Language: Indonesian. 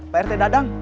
pak rt dadang